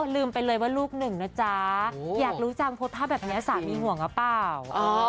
ลืมไปเลยว่าลูกหนึ่งนะจ๊ะอยากรู้จังโพสต์ภาพแบบนี้สามีห่วงหรือเปล่า